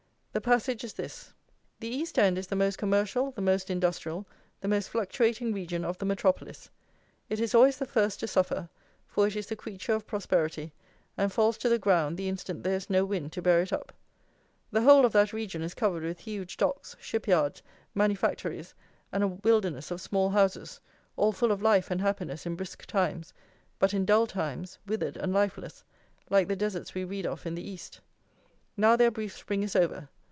The passage is this: "The East End is the most commercial, the most industrial, the most fluctuating region of the metropolis. It is always the first to suffer; for it is the creature of prosperity, and falls to the ground the instant there is no wind to bear it up. The whole of that region is covered with huge docks, shipyards, manufactories, and a wilderness of small houses, all full of life and happiness in brisk times, but in dull times withered and lifeless, like the deserts we read of in the East. Now their brief spring is over.